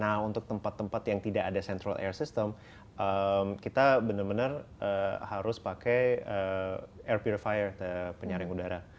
nah untuk tempat tempat yang tidak ada central air system kita benar benar harus pakai air purifier penyaring udara